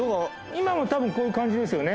今もたぶんこういう感じですよね。